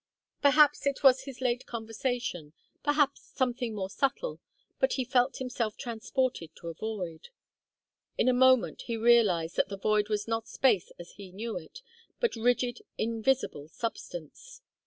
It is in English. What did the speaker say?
Perhaps it was his late conversation, perhaps something more subtle, but he felt himself transported to a void. In a moment he realized that the void was not space as he knew it, but rigid invisible substance.